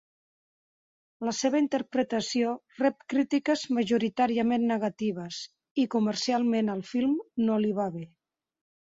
La seva interpretació rep crítiques majoritàriament negatives i comercialment al film no li va bé.